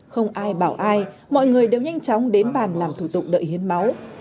không ai bảo ai mọi người đều nhanh chóng đến bàn làm thủ tục đợi hiến máu